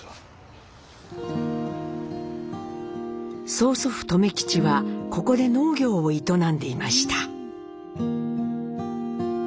曽祖父・留吉はここで農業を営んでいました。